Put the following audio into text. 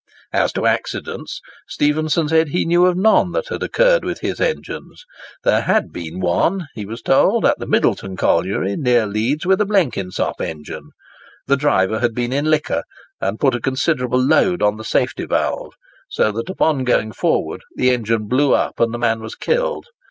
As to accidents, Stephenson said he knew of none that had occurred with his engines. There had been one, he was told, at the Middleton Colliery, near Leeds, with a Blenkinsop engine. The driver had been in liquor, and put a considerable load on the safety valve, so that upon going forward the engine blew up and the man was killed.